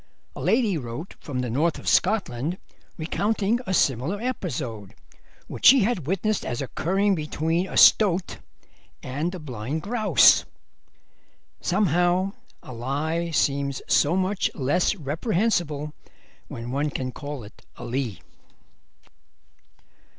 A lady wrote from the North of Scotland recounting a similar episode which she had witnessed as occurring between a stoat and a blind grouse. Somehow a lie seems so much less reprehensible when one can call it a lee.